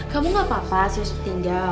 kamu gak apa apa susah tinggal